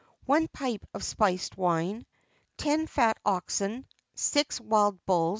One Pipe of Spiced Wine. 10 Fat Oxen. 6 Wild Bulls.